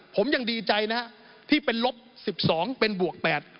ผมยังดีใจนะฮะที่เป็นลบ๑๒เป็นบวก๘